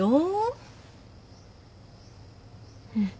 うん。